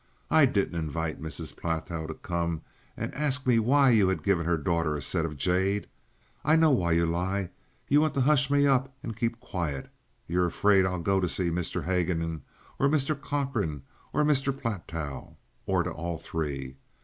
I didn't invite Mrs. Platow to come and ask me why you had given her daughter a set of jade. I know why you lie; you want to hush me up and keep quiet. You're afraid I'll go to Mr. Haguenin or Mr. Cochrane or Mr. Platow, or to all three.